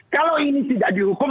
kalau ini tidak dihukum